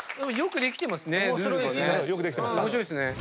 面白いですね。